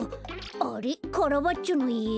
あれっカラバッチョのいえ？